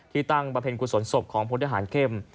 ที่ตั้งประเพ็ญกุศลศพของพลธหารเข้ม